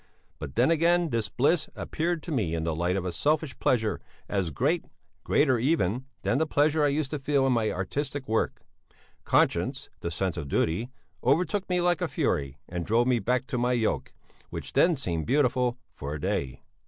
But then again this bliss appeared to me in the light of a selfish pleasure as great, greater even, than the pleasure I used to feel in my artistic work; conscience, the sense of duty, overtook me like a fury and drove me back to my yoke, which then seemed beautiful for a day.